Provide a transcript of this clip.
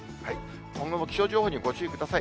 今後も気象情報にご注意ください。